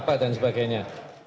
apa dan sebagainya